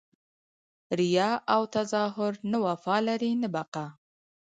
ریاء او تظاهر نه وفا لري نه بقاء!